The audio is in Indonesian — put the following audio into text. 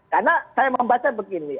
karena saya membaca begini